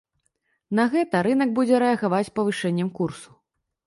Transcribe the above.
На гэта рынак будзе рэагаваць павышэннем курсу.